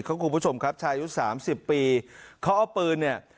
คุณผู้ชมครับชายุสามสิบปีเขาเอาปืนเนี่ย